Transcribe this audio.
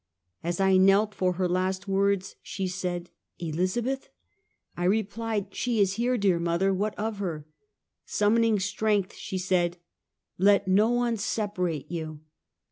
As I knelt for her last words, she said: "Elizabeth?" I replied, "She is here, dear mother, what of her?" Summoning strength she said: "Let no one separate you!"